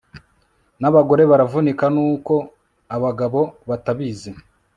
nabagore baravunika nuko abagabo batabizi